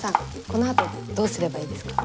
このあとどうすればいいですか？